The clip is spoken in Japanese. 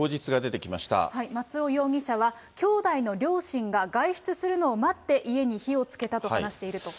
松尾容疑者は、兄弟の両親が外出するのを待って家に火をつけたと話していると。